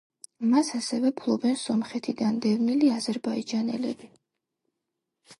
მას ასევე ფლობენ სომხეთიდან დევნილი აზერბაიჯანელები.